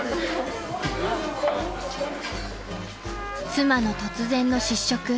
［妻の突然の失職］